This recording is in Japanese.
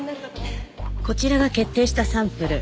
こちらが決定したサンプル。